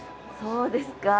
そうですか。